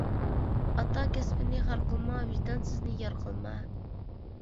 ئاتا كەسپىنى خار قىلما، ۋىجدانسىزنى يار قىلما.